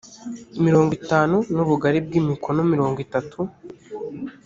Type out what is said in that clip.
mirongo itanu n ubugari bw imikono mirongo itatu